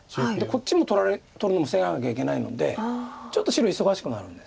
こっちも取るのも防がなきゃいけないのでちょっと白忙しくなるんですよね。